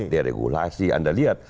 deregulasi anda lihat